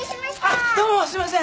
あっどうもすいません